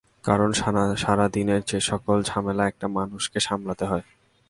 কারন, সারাদিনের যে সকল ঝামেলা একটা মানুষকে সামলাতে হয়।